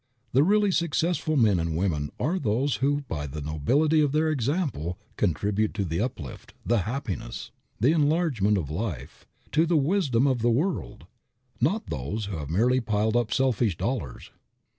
The really successful men and women are those who by the nobility of their example contribute to the uplift, the happiness, the enlargement of life, to the wisdom of the world, not those who have merely piled up selfish dollars.